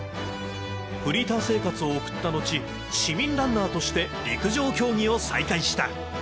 フリーター生活を送った後、市民ランナーとして陸上競技を再開した。